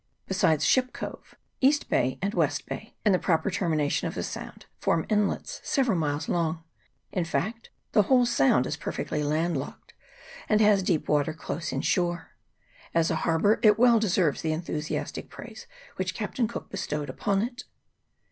Besides Ship Cove, East Bay and West Bay, and the proper termination of the Sound, form inlets several miles long ; in fact, the whole Sound is perfectly landlocked, and has deep water close in shore. As a harbour it well deserves the enthusi astic praise which Captain Cook bestowed upon it.